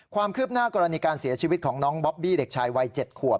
ความคืบหน้ากรณีการเสียชีวิตของน้องบอบบี้เด็กชายวัย๗ขวบ